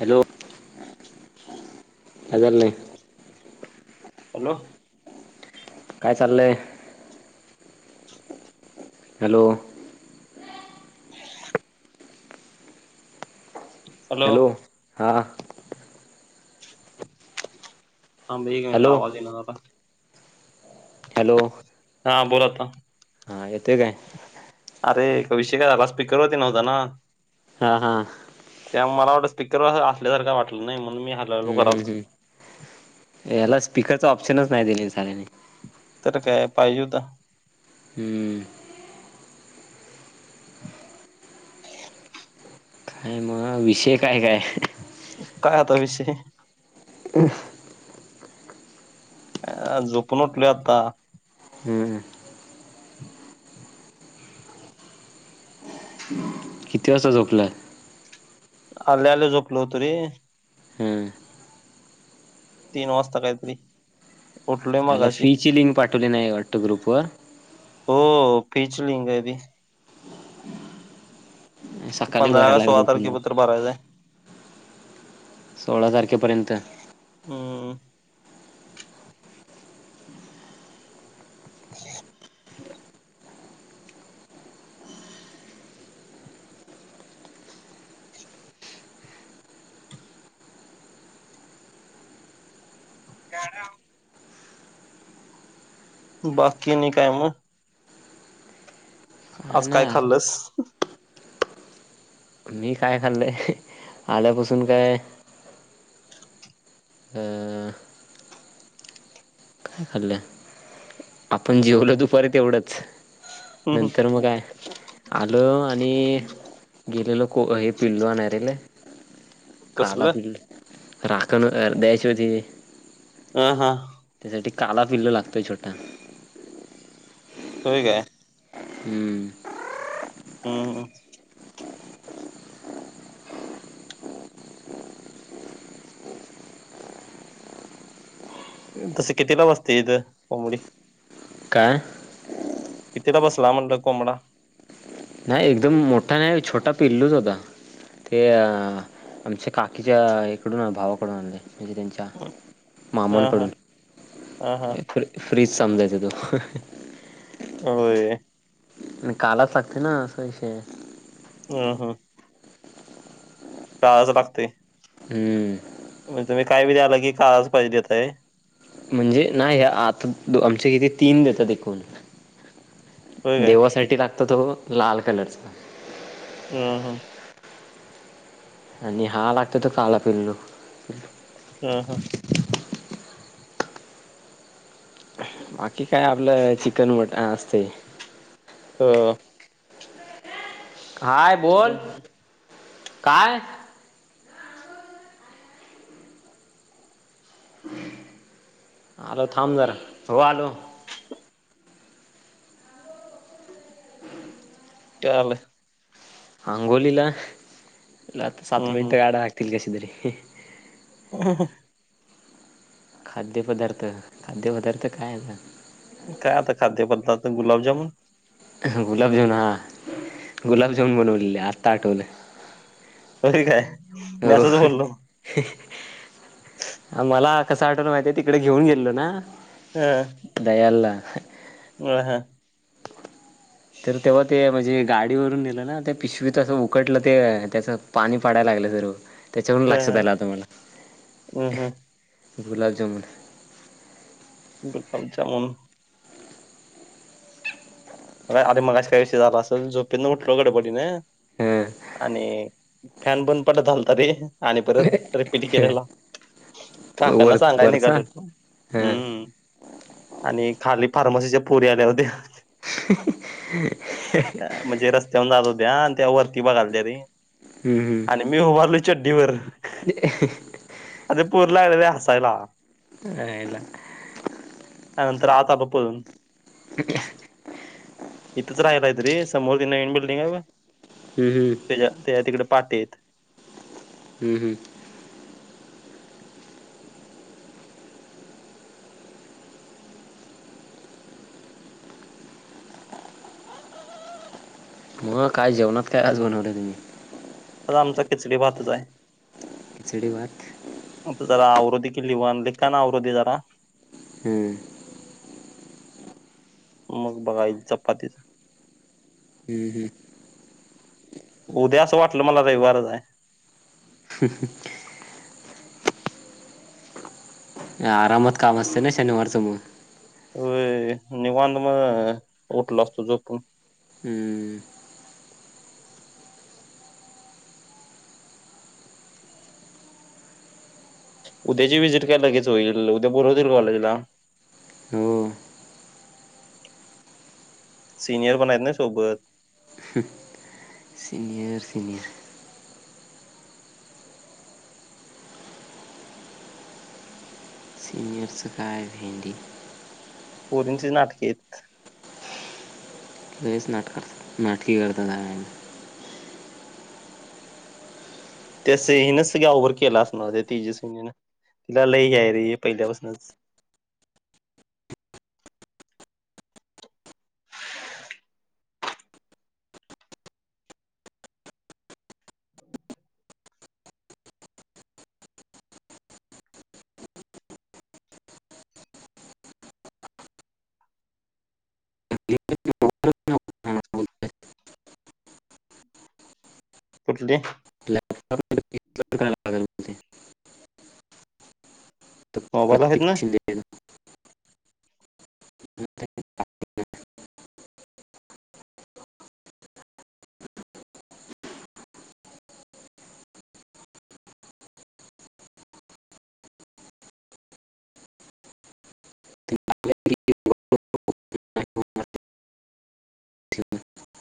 hello काय करल्यास hello काय चालंय हॅलो हॅलो हा हां एक मिनिट हॅलो आवाज येईना झालाय हॅलो हां बोल आत्ता हा येतय काय विषय कायला स्पीकर वर नव्हता ना हा हा त्यामुळे मला वाटलं स्पीकर असल्यासारखं वाटलं नाही म्हणून मी हलवलो हम्म हम्म करालतो हम्म एला स्पीकरचा ऑप्शनच नाही दिले साऱ्याने तर काय पाहिजे होता हम्म काय मग विषय काय काय काय आता विषय अ झोपून उटलो आता हम्म किती वाजता झोपलंय आले आले झोपलो हो त ररी हम्म तीन वाजता काहीतरी उठलोय मला मगाशी फीची लिंक पाठवली नाही वाटत ग्रुप वर हो फिचलींगे भी सकाळी पंधरा भरायला का लागेल सोळा उठून तारखेपतर भरायचंय सोळा तारखेपर्यंत हम्म [inaudible] घरा बाकी नाही कायम आज काय खाल्लस मी काय खाल्लंय आल्यापासून काय अ काय खाल्लं आपण जेवलो दुपारीत तेवढंच नंतर मग काय आलं आणि गेलेलं को हे पिल्ल आणेले काला कसलं बिल्ल राखण ह द्याशवती हह हा त्यासाठी काला पिल्ल लागतंय छोटा त काय हम्म हम हम तसं किती लाम असते इथ कॉमडी काय इतीला बस ला म्हणलं कोो आमडा नाही एकदम मोठा नाही छोटा पिल्लूच होता ते अ आमच्या काकीच्या इकडून भावाकडून आणले म्हणजे त्यांच्या मामांकडून ह हा फ्री फ्रीज समजायचं तू होय आणि कालाच लागते ना असं विषय ह हा पच पागते हम्म म्हणजे तुम्ही काय बध आला की काच पाहिजे देतय म्हणजे नाही आता आमचे किती तीन देतात एकूण होय काय देवासाठी लागत तत लाल कलरचा हा हा आणि हा लागतो तो काला पिल्लो ह हा बाकी काय आपलं चिकन मटण असते ह हाय बोल काय आलो थांब जरा हो आलो ले अंगोलीला सात हम्म मिनट गडाकतील ग क हम खाद्यपदार्थ खाद्यपदार्थ काय आहेता काय आता खाद्यपदार्थ गुलाबजामन गुलाबजामन हा गुलाबजामुन बनवलेले आत्ता आठवलं तरी खय हो मला कस आठवला माहितीय तिकडे घेऊन गेलो ना ह दयालला ह ह हा तर तेव्हा ते म्हणजे गाडीवरून नेलं ना ते पिशवीतसं उकटलं ते त्याचं पाणी पाडायला लागलं जर त्याच्यावरून लक्षात ह आला आता मला गुलाब जमुन क काल जमन अर अर मगा काही विषय झाला असेल झोपी उठलो गडबडीने ह आणि फॅन बंद पटत ाल तरी आणि परत रिपीट केलेला काकांना वर सांगाय नाही का वरचा त हा हम् आणि खाली फार्मसीच्या पुरी आल्या होत्या ह तेन जात हो द्या आणि त्या वरतीिबा घालते रे हम्म आणि हम्म मी उभारलो ड्डीवर [inaudible] आर पूर ला आलेले हसायला आयला त्यानंतर आहता प परून इथंच राहिलाय तरी समोर त नवीन बिल्डिंग आहे ब हम्म हम्म तिकडे पाटेत हम्म हम्म ह काय जेवणात काय आज बनवले तुम्ही आ आमचा किचडी पाातच आहे खिचळी वाात जरा आवृधती केलीि वनली का ना आवृधती जरा हम्म मग बघा चपातीचा हम्म हम्म उद्या असं वाटलं मला रविवारच आहे ह्म ह आरामात काम असतें ना शनिवारच म अ निवांध मग उठला असतो जोप पण हम्म उद्याची व्हिजिट कय लगेच होईल उद्या बोोलवतील कॉलेजला हो सिनियर पण आहेत ना सोबत सिनियर सिनियर स काय भेंडी पोरींचे नाटक आहेत बच नाटक नाटकी करता जा त्या स हिनच सगळ्या ओव्हर केला असणार तेजस्वीनीन तिला लई याय र पहिल्यापासूनच ह हो कुठली लॅपटॉप मोबाईल तर आहेत ना प्रत्येक्ष [inaudible] [inaudible]